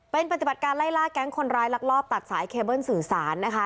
เป็นปฏิบัติการไล่ล่าแก๊งคนร้ายลักลอบตัดสายเคเบิ้ลสื่อสารนะคะ